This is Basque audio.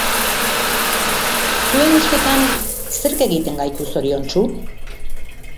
Zuen ustetan zerk egiten gaitu zoriontsu?